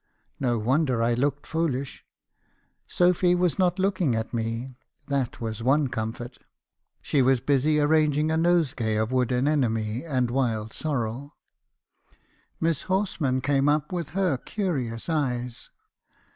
No wonder I looked foolish. Sophy was not looking at me, that was one comfort. She was busy arranging a nosegay of wood anemone and wild sorrel. "Miss Horsman came up , with her curious eyes.